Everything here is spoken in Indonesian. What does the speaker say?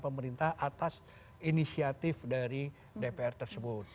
pemerintah atas inisiatif dari dpr tersebut